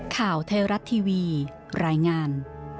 ข่าวไทยรัฐทีวีรายงาน